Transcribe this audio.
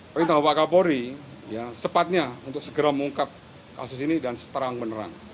perintah bapak kapolri ya sepatnya untuk segera mengungkap kasus ini dan seterang menerang